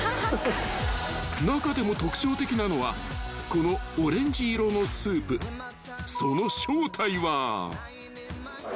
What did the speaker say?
［中でも特徴的なのはこのオレンジ色のスープ］え。